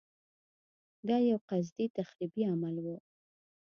دا یو قصدي تخریبي عمل و.